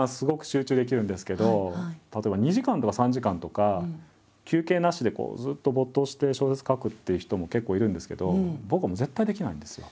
例えば２時間とか３時間とか休憩なしでずっと没頭して小説書くっていう人も結構いるんですけど僕はもう絶対できないんですよ。